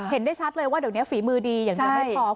เห็นได้ชัดเลยว่าเดี๋ยวนี้ฝีมือดีอย่างแพบของ